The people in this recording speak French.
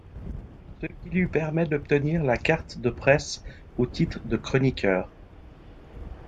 Ce qui lui permet d'obtenir la carte de presse au titre de chroniqueur.